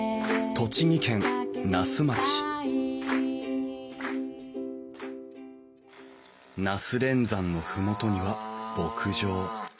栃木県那須町那須連山の麓には牧場。